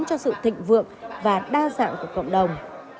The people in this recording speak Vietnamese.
cho sự thịnh vượng và đa dạng của cộng đồng